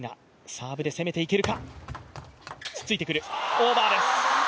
オーバーです。